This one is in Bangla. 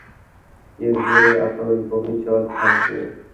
এর উপরই অটল অবিচল থাকব।